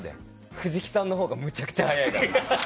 藤木さんのほうがむちゃくちゃ速いから。